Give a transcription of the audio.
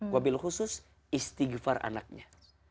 wabil khusus istighfar anaknya